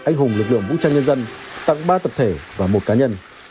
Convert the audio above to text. anh hùng lực lượng vũ trang nhân dân tặng ba tập thể và một cá nhân